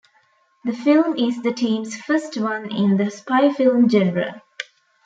The film is the team's first one in the spy film genre.